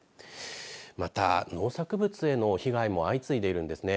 また、農作物への被害も相次いでいるんですね。